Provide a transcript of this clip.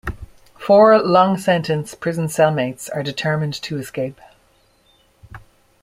Four long-sentence prison cell mates are determined to escape.